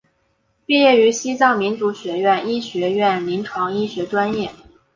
毕业于西藏民族学院医学院临床医学专业。